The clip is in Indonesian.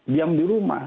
diam di rumah